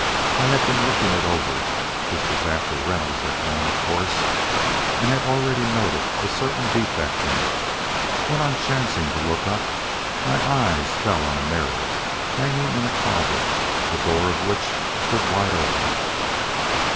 I had been looking it over (this was after Reynolds had gone, of course) and had already noted a certain defect in it, when on chancing to look up, my eyes fell on a mirror hanging in a closet the door of which stood wide open.